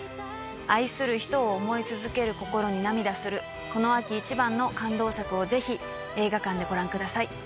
愛する人を思い続ける心に涙するこの秋一番の感動作をぜひ映画館でご覧ください。